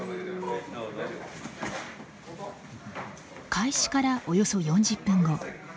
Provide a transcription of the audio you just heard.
開始からおよそ４０分後。